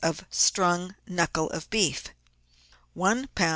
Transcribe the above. of strung knuckle of beef. | lb.